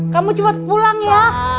kamu cepet pulang ya